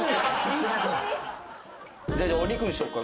じゃあお肉にしようか。